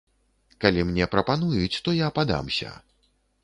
Калі мне прапануюць, то я падамся!